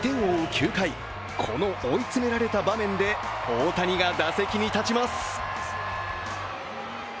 ９回この追い詰められた場面で大谷が打席に立ちます。